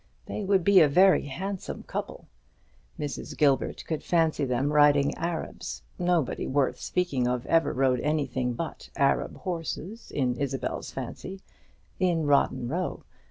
They would be a very handsome couple. Mrs. Gilbert could fancy them riding Arabs nobody worth speaking of ever rode anything but Arab horses, in Isabel's fancy in Rotten Row.